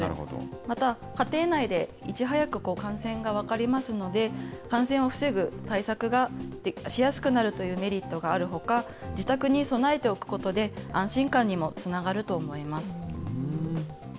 また、家庭内でいち早く感染が分かりますので、感染を防ぐ対策がしやすくなるというメリットがあるほか、自宅に備えておくことで、安心感にもつながると思います。